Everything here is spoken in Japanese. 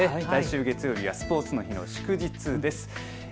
来週月曜日はスポーツの日の祝日です。